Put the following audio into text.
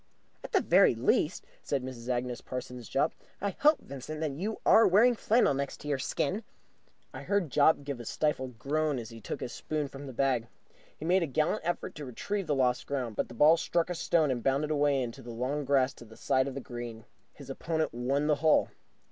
"At the very least," said Mrs. Agnes Parsons Jopp, "I hope, Vincent, that you are wearing flannel next your skin." I heard Jopp give a stifled groan as he took his spoon from the bag. He made a gallant effort to retrieve the lost ground, but the ball struck a stone and bounded away into the long grass to the side of the green. His opponent won the hole.